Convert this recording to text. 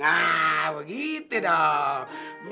nah begitu dong